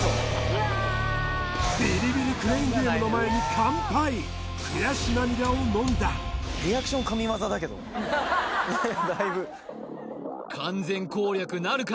ビリビリクレーンゲームの前に完敗をのんだだけどだいぶ完全攻略なるか！？